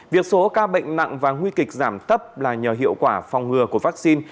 việc số ca bệnh nặng và nguy kịch giảm thấp là nhờ hiệu quả phòng ngừa của vaccine